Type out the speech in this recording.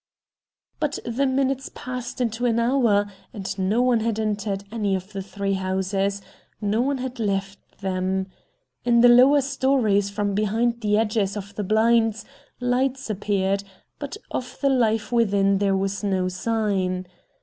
But the minutes passed into an hour, and no one had entered any of the three houses, no one had left them. In the lower stories, from behind the edges of the blinds, lights appeared, but of the life within there was no sign.